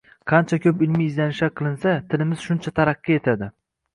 qancha ko‘p ilmiy izlanishlar qilinsa, tilimiz shuncha taraqqiy etadi.